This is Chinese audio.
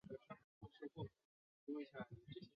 超级时尚编辑战是以美国时尚为主题的真人实境秀。